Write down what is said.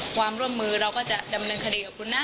ความร่วมมือเราก็จะดำเนินคดีกับคุณนะ